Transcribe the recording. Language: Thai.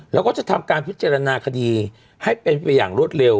แล้วก็จะทำการพิจารณาคดีให้เป็นไปอย่างรวดเร็ว